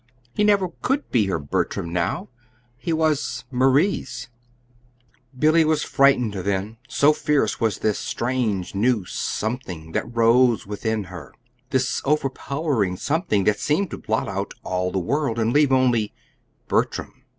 He never could be her Bertram now. He was Marie's. Billy was frightened then, so fierce was this strange new something that rose within her this overpowering something that seemed to blot out all the world, and leave only Bertram.